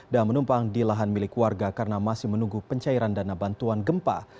dan menumpang di lahan milik warga karena masih menunggu pencairan dana bantuan gempa